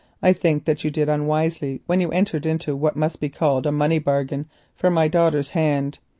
I think that you did unwisely when you entered into what must be called a money bargain for my daughter's hand.